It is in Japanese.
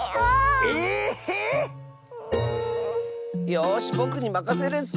⁉よしぼくにまかせるッス！